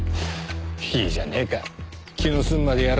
いいじゃねえか気の済むまでやらしときゃ。